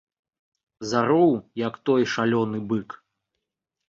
Зароў, як той шалёны бык.